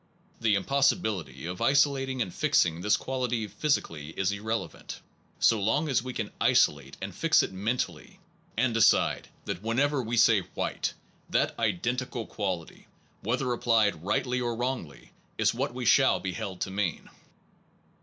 The impossi bility of isolating and fixing this quality physi cally is irrelevant, so long as we can isolate and fix it mentally, and decide that whenever we say white, that identical quality, whether applied rightly or wrongly, is what we shall be held to mean.